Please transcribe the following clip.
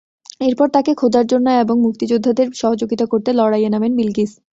এরপর তাঁকে খোঁজার জন্য এবং মুক্তিযোদ্ধাদের সহযোগিতা করতে লড়াইয়ে নামেন বিলকিস।